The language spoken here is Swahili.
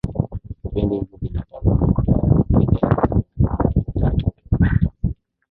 kipindi hiki kinatazamwa kilianza miaka laki tatu iliyopita